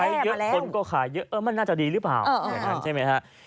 แล้วคนก็ใช้เยอะคนก็ขายเยอะมันน่าจะดีหรือเปล่าเหมือนนั้นใช่ไหมฮะ